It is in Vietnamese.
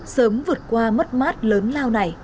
sớm vượt qua mất mát lớn lao này